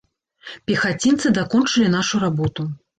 Пехацінцы дакончылі нашу работу.